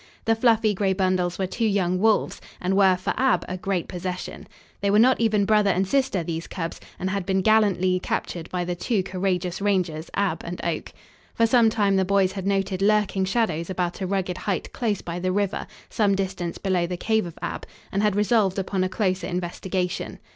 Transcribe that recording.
The fluffy gray bundles were two young wolves, and were, for Ab, a great possession. They were not even brother and sister, these cubs, and had been gallantly captured by the two courageous rangers, Ab and Oak. For some time the boys had noted lurking shadows about a rugged height close by the river, some distance below the cave of Ab, and had resolved upon a closer investigation.